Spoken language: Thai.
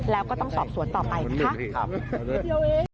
แล้วก็ต้องสอบสวนต่อไปนะคะ